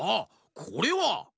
これは。